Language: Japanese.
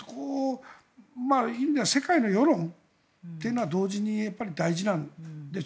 世界の世論というのは同時に大事なんですよ